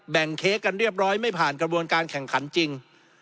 เค้กกันเรียบร้อยไม่ผ่านกระบวนการแข่งขันจริง